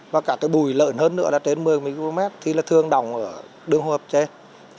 và cả cái bụi lớn hơn nữa là trên một mươi micromet thì thường đồng ở đường hô hấp trên